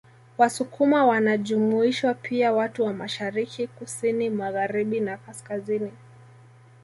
Wasukuma wanajumuishwa pia watu wa Mashariki kusini Magharibina kaskazini